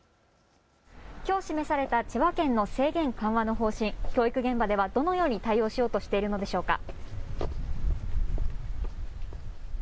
きょう示された千葉県の制限緩和の方針、教育現場ではどのように対応しようとしているのでしょうか。